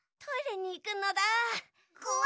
トイレにいくのだ。